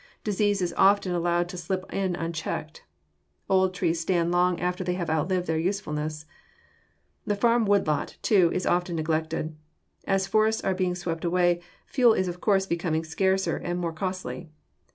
Disease is often allowed to slip in unchecked. Old trees stand long after they have outlived their usefulness. The farm wood lot, too, is often neglected. As forests are being swept away, fuel is of course becoming scarcer and more costly.